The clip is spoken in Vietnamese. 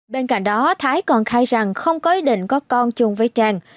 bên cạnh đó thái còn khai rằng không có ý định có con chung với trang